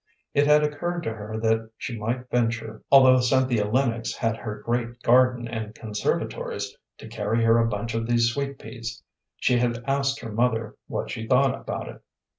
It had occurred to her that she might venture, although Cynthia Lennox had her great garden and conservatories, to carry her a bunch of these sweet peas. She had asked her mother what she thought about it.